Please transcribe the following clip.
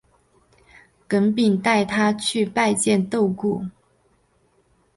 耿秉带他去拜见窦固。